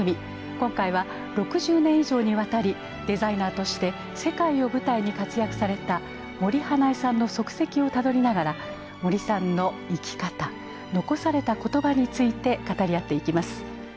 今回は６０年以上にわたりデザイナーとして世界を舞台に活躍された森英恵さんの足跡をたどりながら森さんの生き方残された言葉について語り合っていきます。